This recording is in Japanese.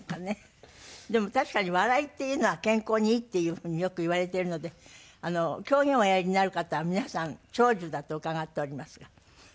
でも確かに笑いっていうのは健康にいいっていうふうによく言われているので狂言をおやりになる方は皆さん長寿だと伺っておりますが萬斎さんは。